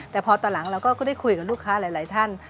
แต่พอตอนหลังเราก็ได้คุยกับลูกค้าหลายท่าน